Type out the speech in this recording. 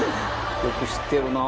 よく知ってるな。